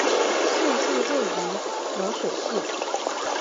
县治位于漯水市。